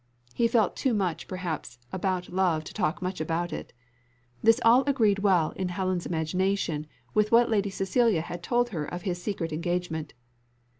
He felt too much perhaps about love to talk much about it. This all agreed well in Helen's imagination with what Lady Cecilia had told her of his secret engagement.